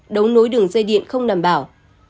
đấu nối đường dây điện không đảm bảo